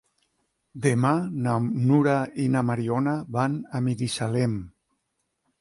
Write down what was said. Demà na Nura i na Mariona van a Binissalem.